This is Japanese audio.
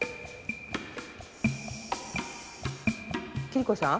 桐子さん？